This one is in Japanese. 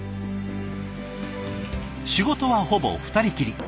仕事はほぼ二人きり。